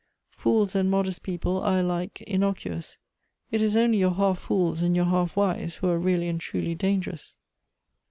" Fools and modest people are alike innocuous. It is only your half fools and your half wise who are really and truly dangerous.